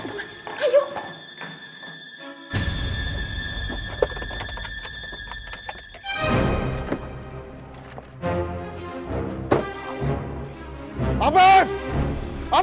aku tinggalin semua musuh kamu